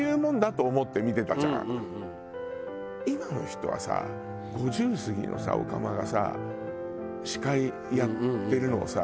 今の人はさ５０過ぎのさオカマがさ司会やってるのをさ